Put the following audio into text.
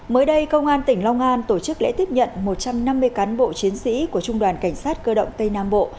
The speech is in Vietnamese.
mới đây công an tỉnh long an tổ chức lễ tiếp nhận một trăm năm mươi cán bộ chiến sĩ của trung đoàn cảnh sát cơ động tây nam bộ